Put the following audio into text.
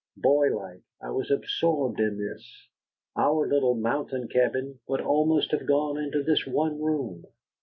Boylike, I was absorbed in this. Our little mountain cabin would almost have gone into this one room.